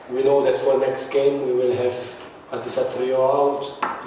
kita tahu untuk pertandingan berikutnya akan ada adi satrio keluar